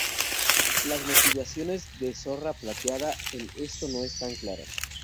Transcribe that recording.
Las motivaciones de Zorra Plateada en esto no están claras.